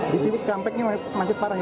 di cikampeknya macet parah ya